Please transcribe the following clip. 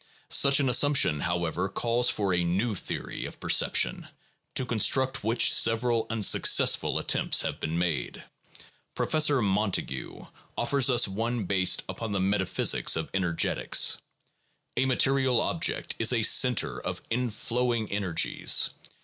Such an assumption, however, calls for a new theory of perception, to construct which several unsuccessful attempts have been made. Professor Montague 1 offers us one based upon the metaphysics of energetics. A material object is a center of inflowing energies.